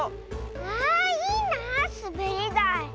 あいいなあすべりだい。